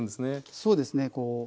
そうですね。